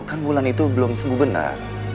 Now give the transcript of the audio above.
kan wulan itu belum sengguh benar